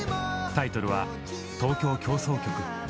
タイトルは「東京協奏曲」。